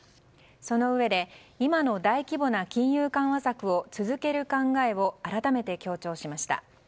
そのうえで今の大規模な金融緩和策を続ける考えを改めて強調しました。